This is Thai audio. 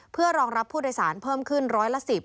เพื่อรองรับผู้โดยสารเพิ่มขึ้นร้อยละ๑๐